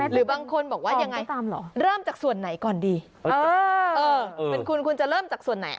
หรือบางคนบอกว่ายังไงเริ่มจากส่วนไหนก่อนดีเป็นคุณคุณจะเริ่มจากส่วนไหน